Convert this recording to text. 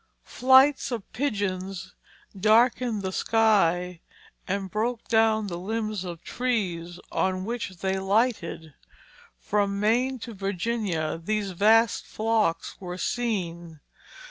Flights of pigeons darkened the sky, and broke down the limbs of trees on which they lighted. From Maine to Virginia these vast flocks were seen.